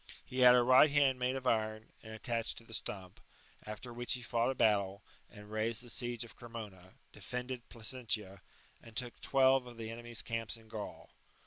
He had a right hand made of iron, and attached to the stump, after which he fought a battle, and raised the siege of Cremona, defended Placentia, and took twelve of the enemy's camps in Gaul.